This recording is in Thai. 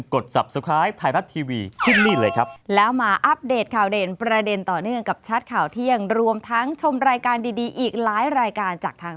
ขอบคุณค่ะ